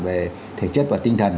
về thể chất và tinh thần